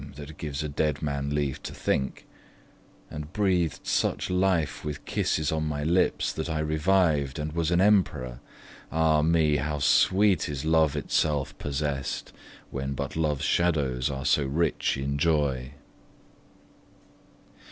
that gives a dead man leave to think) And breath'd such life with kisses on my lips, That I reviv'd and was an emperor. Ah me! how sweet is love itself possessed, When but love's shadows are so rich in joy!